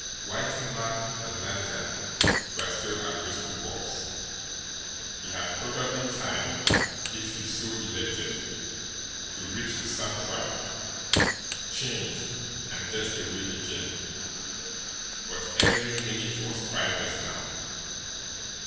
Whitey Mack and Lannigan were still at Bristol Bob's; he had probably time, if he so elected, to reach the Sanctuary, change, and get away again. But every minute was priceless now.